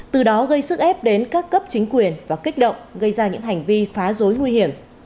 từ đó gây sức ép đến các cấp chính quyền và kích động gây ra những hành vi phá rối nguy hiểm